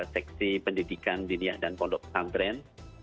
seksi pendidikan diniah dan pondok pesantren